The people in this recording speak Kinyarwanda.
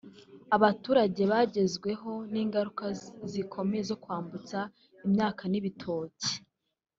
Abaturage bagezweho n’ingaruka zikomeye zo kwambutsa imyaka nk’ibitoki